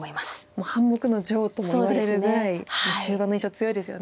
もう半目の女王ともいわれるぐらい終盤の印象強いですよね。